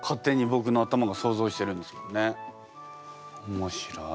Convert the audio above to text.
面白い。